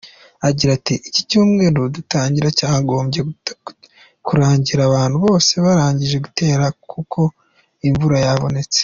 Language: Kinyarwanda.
Agira ati, “Iki cyumweru dutangira cyagombye kurangira bantu bose barangije gutera kuko imvura yabonetse”.